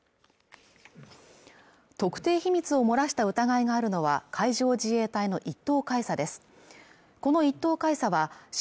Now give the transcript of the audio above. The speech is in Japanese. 特定秘密を漏らした疑いがあるのは海上自衛隊の一等海佐です